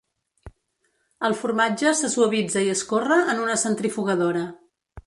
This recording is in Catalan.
El formatge se suavitza i escorre en una centrifugadora.